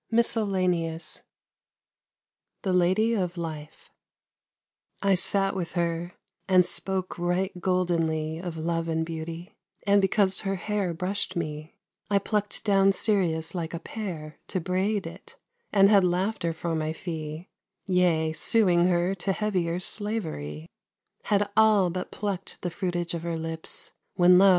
MISCELLANEOUS THE LADY OF LIFE I sat with her, and spoke right goldenly Of love and beauty, and because her hair Brushed me, I plucked down Sirius like a pear, To braid it, and had laughter for my fee; Yea, suing her to heavier slavery. Had all but plucked the fruitage of her lips, When, lo!